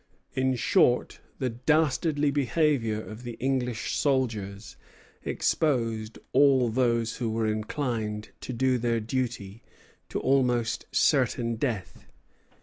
In short, the dastardly behavior of the English soldiers exposed all those who were inclined to do their duty to almost certain death.